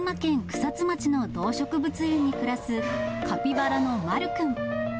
草津町の動植物園に暮らす、カピバラのまるくん。